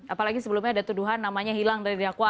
apalagi sebelumnya ada tuduhan namanya hilang dari dakwaan